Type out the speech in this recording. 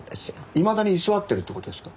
いまだに居座ってるってことですか？